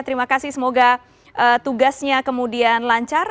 terima kasih semoga tugasnya kemudian lancar